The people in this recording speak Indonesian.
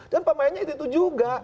dan permainannya itu juga